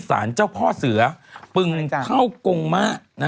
สารเจ้าพ่อเสือปึงเข้ากงมาก